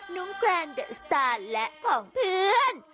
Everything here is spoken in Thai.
ลุ้มแกร้าละของเพื่อน